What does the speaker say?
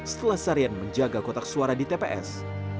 setelah sarian menjaga kotak suara di tps